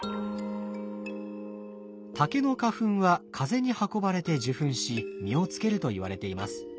竹の花粉は風に運ばれて受粉し実をつけるといわれています。